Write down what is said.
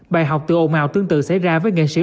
bài học từ ồn ào tương tự xảy ra với nghệ sĩ